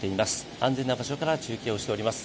安全な場所から中継をしております。